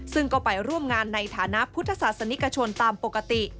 ซึ่งก็ไปร่วมงานในฐานะพุทธศาสนิกชนตามปกติ